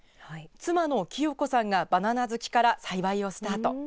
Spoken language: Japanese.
妻のきよ子さんがバナナ好きから栽培をスタート。